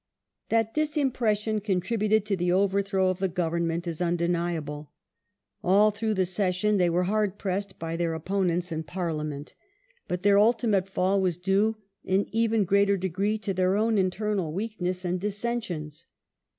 That this impression contributed to the overthrow of the Overthrow Government is undeniable. All throuo h the session thev were°Vj^. ^.•'. Gladstone hard pressed by their opponents in Parliament, but their ultimate Govern fall was due, in even greater degree, to their own internal weakness "^^"' and dissensions.